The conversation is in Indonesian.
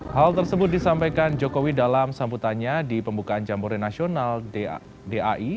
hal tersebut disampaikan jokowi dalam sambutannya di pembukaan jambore nasional dai